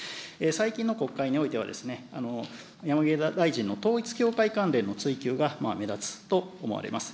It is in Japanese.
最近の国会においては、山際大臣の統一教会関連の追及が目立つと思われます。